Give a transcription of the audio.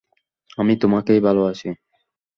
আমি তোমাকেই ভালোবাসি!